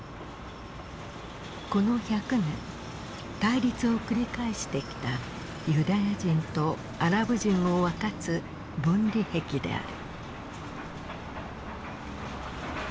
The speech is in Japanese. この１００年対立を繰り返してきたユダヤ人とアラブ人を分かつ分離壁である。